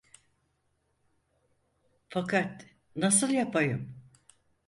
Fakat nasıl yapayım?